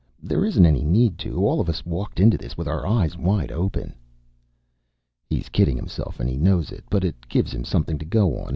"There isn't any need to. All of us walked into this with our eyes wide open." "He's kidding himself and he knows it, but it gives him something to go on.